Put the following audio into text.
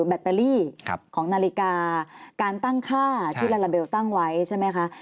แบตเตอรี่ของนาฬิกาการตั้งค่าที่ลาลาเบลตั้งไว้ใช่ไหมคะ